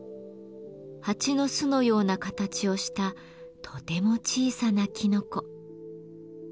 ハチの巣のような形をしたとても小さなきのこ。